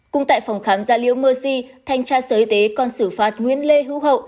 cùng tại phòng khám gia liễu mercy thanh tra sở y tế còn xử phạt nguyễn lê hữu hậu